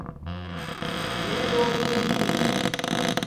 Nerede olduğunu bilmiyorum.